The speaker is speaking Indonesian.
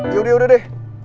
yaudah yaudah deh